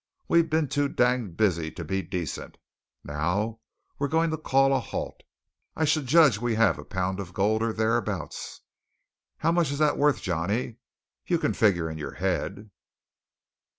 We've been too danged busy to be decent. Now we're goin' to call a halt. I should jedge we have a pound of gold, or tharabouts. How much is that worth, Johnny? You can figger in yore head."